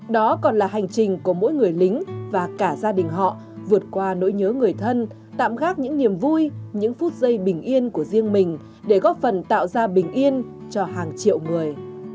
đó còn là hành trình của mỗi người lính và cả gia đình họ vượt qua nỗi nhớ người thân tạm gác những niềm vui những phút giây bình yên của riêng mình để góp phần tạo ra bình yên cho hàng triệu người